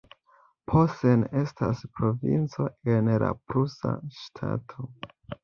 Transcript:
Posen estas provinco en la prusa ŝtato.